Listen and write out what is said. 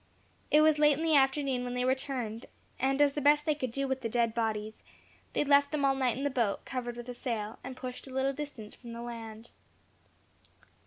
It was late in the afternoon when they returned; and, as the best they could do with the dead bodies, they left them all night in the boat, covered with a sail, and pushed a little distance from the land.